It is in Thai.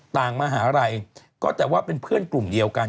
ต่างมหาลัยก็แต่ว่าเป็นเพื่อนกลุ่มเดียวกัน